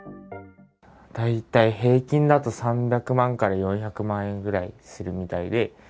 大体平均だと３００万から４００万円ぐらいするみたいで。